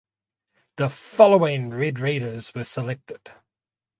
The following Red Raiders were selected.